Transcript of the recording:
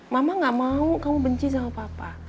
mama gak mau kamu benci sama papa